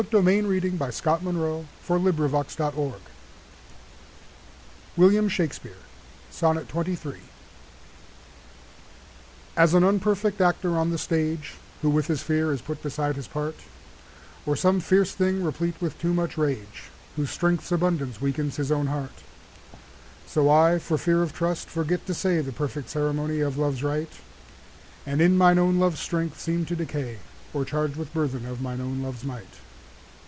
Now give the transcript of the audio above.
Presume not on thy heart when mine is slain, Thou gav'st me thine not to give back again. XXIII As an unperfect actor on the stage, Who with his fear is put beside his part, Or some fierce thing replete with too much rage, Whose strength's abundance weakens his own heart; So I, for fear of trust, forget to say The perfect ceremony of love's rite, And in mine own love's strength seem to decay, O'ercharg'd with burthen of mine own love's might.